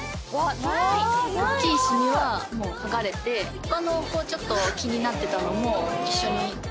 大きいシミは剥がれて他のちょっと気になってたのも一緒に取れました。